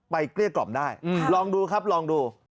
เกลี้ยกล่อมได้ลองดูครับลองดู